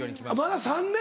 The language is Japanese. まだ３年？